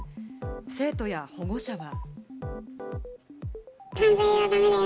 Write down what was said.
生徒や保護者は。